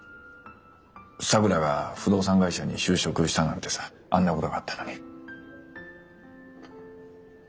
咲良が不動産会社に就職したなんてさあんなことがあったのに。